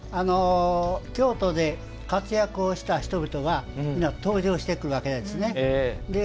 京都で活躍をした人々が登場してくるわけですね。